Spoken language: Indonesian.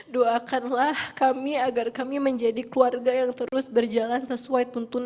doakanlah kami agar kami menjadi keluarga yang terus berjalan sesuai tuntutan